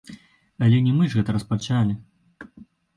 Але не мы ж гэта распачалі.